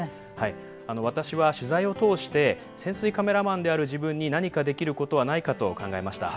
私は、取材を通して潜水カメラマンである自分に何かできることはないかと考えました。